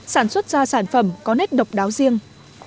sản xuất ra sản phẩm có nét độc đáo riêng